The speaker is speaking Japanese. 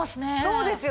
そうですよね。